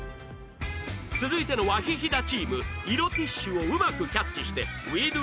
続いてのワヒヒダチーム色ティッシュをうまくキャッチして Ｗｅｄｏ！